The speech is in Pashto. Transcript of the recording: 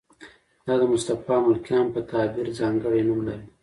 دا د مصطفی ملکیان په تعبیر ځانګړی نوم لري.